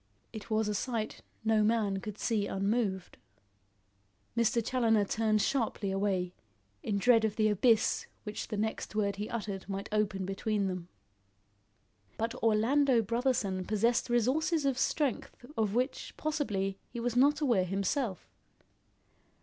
It was a sight no man could see unmoved. Mr. Challoner turned sharply away, in dread of the abyss which the next word he uttered might open between them. But Orlando Brotherson possessed resources of strength of which, possibly, he was not aware himself.